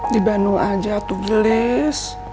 di bandung aja tuh blis